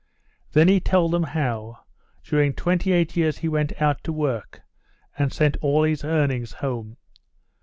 Then he told them how, during 28 years he went out to work, and sent all his earnings home.